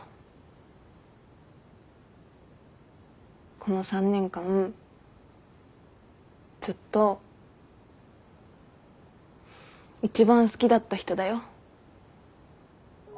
この３年間ずっと一番好きだった人だよ。